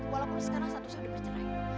walaupun sekarang satu sehari bercerai